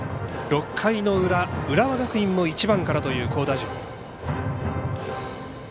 ６回の裏、浦和学院も１番からという好打順。